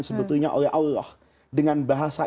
sebetulnya oleh allah dengan bahasa